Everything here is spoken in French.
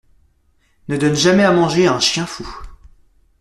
Ne donne jamais à manger à un chien fou.